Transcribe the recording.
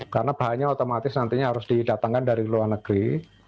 karena bahannya otomatis nantinya harus didatangkan dari luar negeri